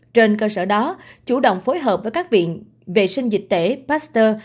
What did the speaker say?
trên cơ sở đó chủ động phối hợp với các viện vệ sinh dịch tễ pasteur